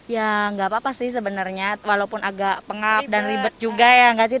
ya nggak apa apa sih sebenarnya walaupun agak pengap dan ribet juga ya nggak sih